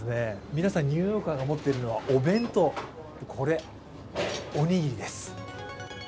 皆さん、ニューヨーカーが持っているのはお弁当、これ、おにぎりです。